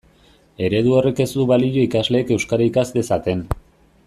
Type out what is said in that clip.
Eredu horrek ez du balio ikasleek euskara ikas dezaten.